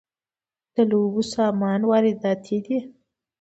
د لوبو سامان وارداتی دی